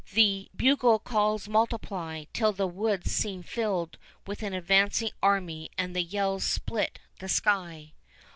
The bugle calls multiply till the woods seem filled with an advancing army and the yells split the sky.